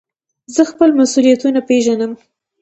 زه خپل مسئولیتونه پېژنم.